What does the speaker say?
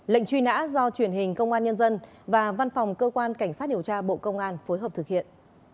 lệnh truy nã do truyền hình công an nhân dân và văn phòng cơ quan cảnh sát điều tra bộ công an phối hợp thực hiện